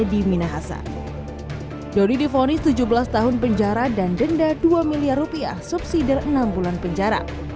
likuh dari infobc u of is argentina untuk nanti tentu huay aus more up grafis dengan waobai itu visipen ini